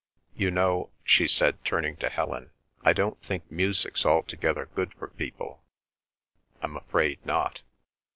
You know," she said, turning to Helen, "I don't think music's altogether good for people—I'm afraid not."